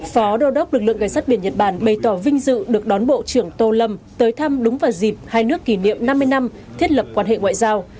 phó đô đốc lực lượng cảnh sát biển nhật bản bày tỏ vinh dự được đón bộ trưởng tô lâm tới thăm đúng vào dịp hai nước kỷ niệm năm mươi năm thiết lập quan hệ ngoại giao